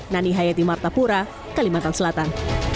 nani hayati martapura kalimantan selatan